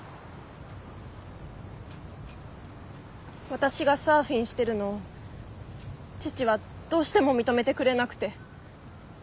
私がサーフィンしてるのを父はどうしても認めてくれなくて。